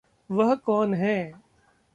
वह कौन है?